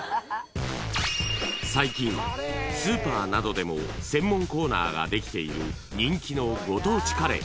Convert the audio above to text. ［最近スーパーなどでも専門コーナーができている人気の］